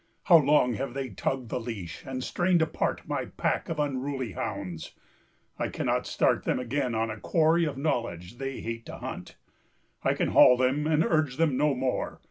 How long have they tugged the leash, and strained apart My pack of unruly hounds: I cannot start Them again on a quarry of knowledge they hate to hunt, I can haul them and urge them no more.